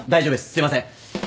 すいません。